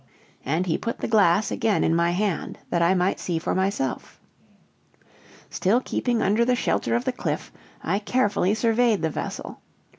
and he put the glass again in my hand that I might see for myself. Still keeping under the shelter of the cliff, I carefully surveyed the vessel.